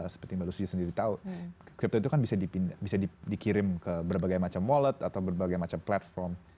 seperti mbak lucy sendiri tahu crypto itu kan bisa dikirim ke berbagai macam wallet atau berbagai macam platform